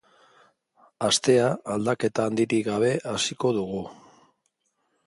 Astea aldaketa handirik gabe hasiko dugu.